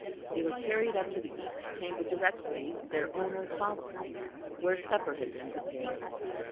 They were carried up to the east chamber directly, their owner following; where supper had been prepared.